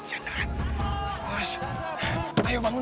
bang harus kuat bang